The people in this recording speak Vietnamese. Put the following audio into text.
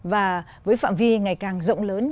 và với phạm vi ngày càng rộng lớn